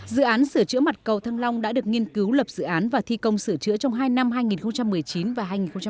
dự án sửa chữa mặt cầu thăng long đã được nghiên cứu lập dự án và thi công sửa chữa trong hai năm hai nghìn một mươi chín và hai nghìn hai mươi